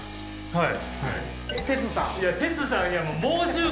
はい。